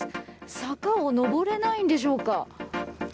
坂を上れないんでしょうか。